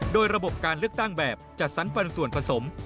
โดยระบบการเลือกตั้งแบบจัดสรรฟันส่วนผสม